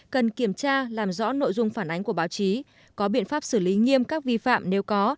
cần kiểm tra làm rõ nội dung phản ánh của báo chí có biện pháp xử lý nghiêm các vi phạm nếu có